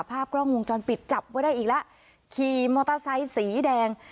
ภาพกล้องวงจรปิดจับไว้ได้อีกแล้วขี่มอเตอร์ไซค์สีแดง